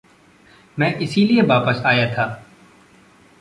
मैं इसीलिए वापस आया था।